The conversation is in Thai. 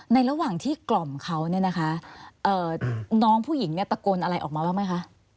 ระหว่างที่กล่อมเขาเนี่ยนะคะน้องผู้หญิงเนี่ยตะโกนอะไรออกมาบ้างไหมคะ